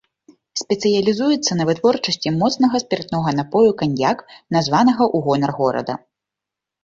Спецыялізуецца на вытворчасці моцнага спіртнога напою каньяк, названага ў гонар горада.